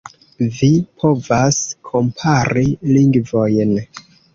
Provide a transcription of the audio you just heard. Vi povas kompari lingvojn.